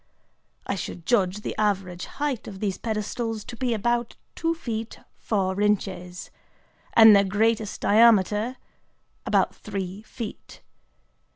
I should judge the average height of these pedestals to be about two feet four inches, and their greatest diameter about three feet.